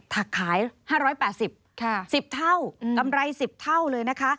ถักขาย๕๘๐๑๐เท่ากำไร๑๐เท่าเลยนะคะ